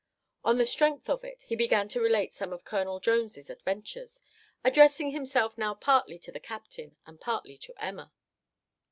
On the strength of it he began to relate some of Colonel Jones's adventures, addressing himself now partly to the captain and partly to Emma.